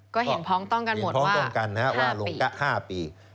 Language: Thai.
ก็เห็นพ้องต้องกันหมดว่า๕ปี